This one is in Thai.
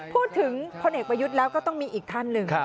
พลเอกประยุทธ์แล้วก็ต้องมีอีกท่านหนึ่ง